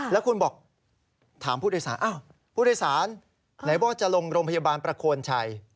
แล้วคุณบอกถามผู้โดยสารผู้โดยสารไหนบอกจะลงโรงพยาบาลประโคนชัย